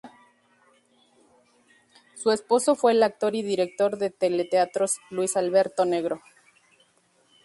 Su esposo fue el actor y director de teleteatros Luis Alberto Negro.